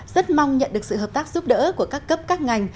rất mong nhận được sự hợp tác giúp đỡ của các cấp các ngành